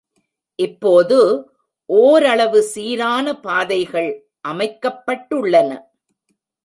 இப்போது ஓரளவு சீரான பாதைகள் அமைக்கப்பட்டுள்ளன.